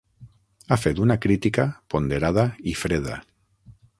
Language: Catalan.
Ha fet una crítica ponderada i freda.